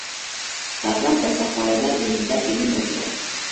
მაგრამ დასახმარებლად ენი და ტიმი მოდიან.